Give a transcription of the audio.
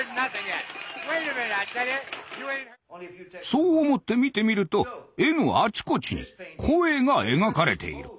そう思って見てみると絵のあちこちに「声」が描かれている。